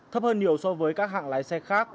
thấp hơn nhiều so với các hạng lái xe khác